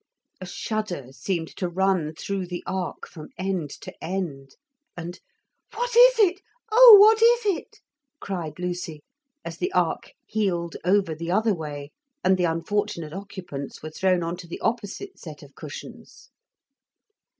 A shudder seemed to run through the ark from end to end, and 'What is it? Oh! what is it?' cried Lucy as the ark heeled over the other way and the unfortunate occupants were thrown on to the opposite set of cushions.